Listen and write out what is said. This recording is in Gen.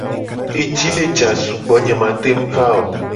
Eji le ja sugbo, nye ma teng va o.